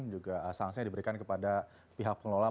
juga sanksi yang diberikan kepada pihak pengelola